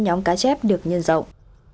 nhóm cá chép được nhân rộng